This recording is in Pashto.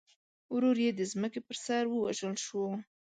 ورور یې د ځمکې پر سر ووژل شو.